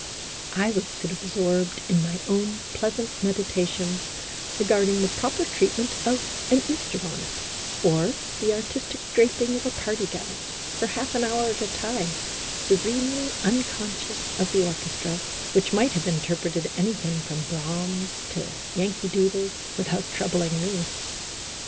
I would sit absorbed in my own pleasant medita tions regarding the proper treatment of an Easter bonnet, or the artistic draping of a party gown, for half an hour at a time, serenely unconscious of the orchestra, which might have interpreted anything from Brahms to " Yankee Doodle," without troub ling me.